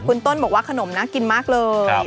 คุณต้นบอกว่าขนมน่ากินมากเลย